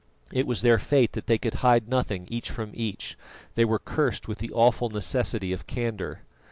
It was their fate that they could hide nothing each from each they were cursed with the awful necessity of candour.